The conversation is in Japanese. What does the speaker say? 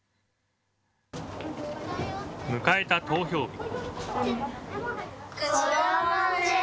迎えた投票日。